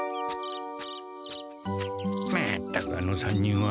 まったくあの３人は。